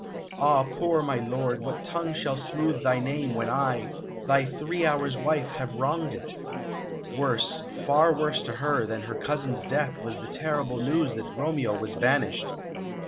"Ah, poor my lord, what tongue shall smooth thy name when I, thy three hours wife, have wronged it?" Worse, far worse to her, than her cousin's death was the terrible news that Romeo was banished.